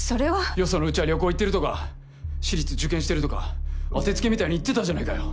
よそのうちは旅行行ってるとか私立受験してるとか当てつけみたいに言ってたじゃないかよ。